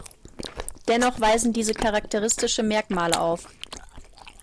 Dennoch weisen diese charakteristische Merkmale auf.